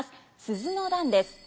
「鈴の段」です。